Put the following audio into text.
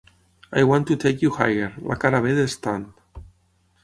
"I Want to Take You Higher", la cara b de "Stand!"